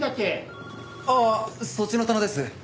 ああそっちの棚です。